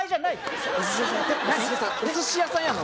俺お寿司屋さん